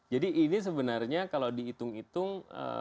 jadi ini sebenarnya kalau diitung itung